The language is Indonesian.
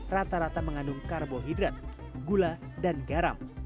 rata rata mengandung karbohidrat gula dan garam